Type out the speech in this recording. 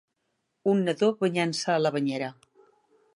Un nadó banyant-se a la banyera.